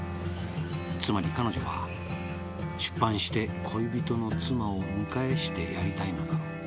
「つまり彼女は出版して恋人の妻を見返してやりたいのだろう」